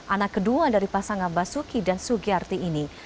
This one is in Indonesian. anak kedua dari pasangan basuki dan sugiyarti ini